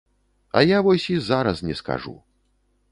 А я вось і зараз не скажу.